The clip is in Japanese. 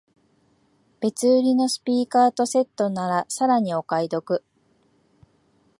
別売りのスピーカーとセットならさらにお買い得